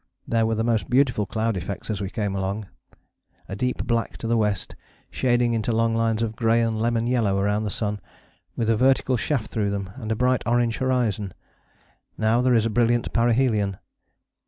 There were the most beautiful cloud effects as we came along a deep black to the west, shading into long lines of grey and lemon yellow round the sun, with a vertical shaft through them, and a bright orange horizon. Now there is a brilliant parhelion.